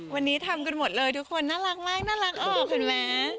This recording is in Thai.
วันนี้ทำกันหมดเลยทุกคนน่ารักมากน่ารักออกเห็นไหม